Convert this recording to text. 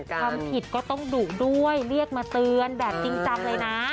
ความผิดก็ต้องดุด้วยเรียกมาเตือนแบบจริงจังเลยนะ